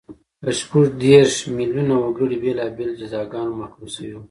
له شپږ دېرش میلیونه وګړي بېلابېلو جزاګانو محکوم شوي وو